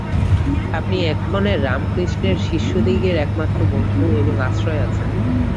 আপনি এক্ষণে রামকৃষ্ণের শিষ্যদিগের একমাত্র বন্ধু এবং আশ্রয় আছেন।